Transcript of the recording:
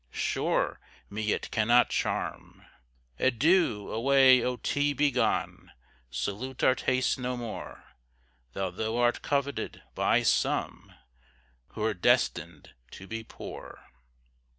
Sure me it cannot charm. Adieu! away, oh tea! begone! Salute our taste no more; Though thou art coveted by some, Who're destined to be poor.